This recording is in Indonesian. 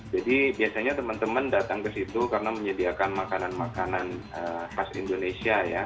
jadi biasanya teman teman datang ke situ karena menyediakan makanan makanan khas indonesia ya